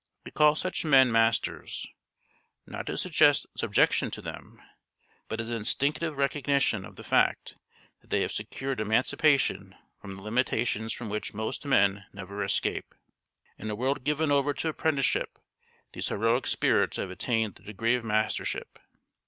We call such men masters, not to suggest subjection to them, but as an instinctive recognition of the fact that they have secured emancipation from the limitations from which most men never escape. In a world given over to apprenticeship these heroic spirits have attained the degree of mastership.